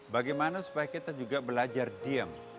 bagaimana supaya kita juga belajar diam